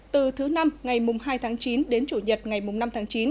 từ thứ năm ngày mùng hai tháng chín đến chủ nhật ngày mùng năm tháng chín